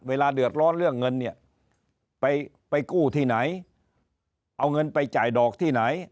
เวลาเดือดร้อนเรื่องเงินเนี่ยไปกู้ที่ไหนเอาเงินไปจ่ายดอกที่ไหน